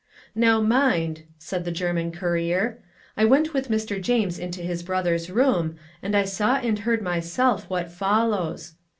Now, mind! (said the German courier) I went with Mr. James into his brother's room, and I saw and heard myself what follows.